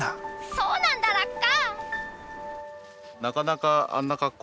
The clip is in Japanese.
そうなんだラッカ。